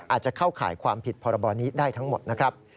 อาจจะเข้าข่ายความผิดพรบนี้ได้ทั้งหมดนะครับ